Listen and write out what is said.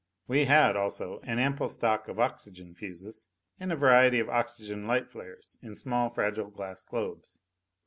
We had, also, an ample stock of oxygen fuses, and a variety of oxygen light flares in small, fragile glass globes.